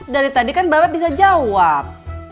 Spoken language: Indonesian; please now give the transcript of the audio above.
dari tadi kan bapak bisa jawab